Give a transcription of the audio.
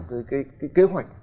cái kế hoạch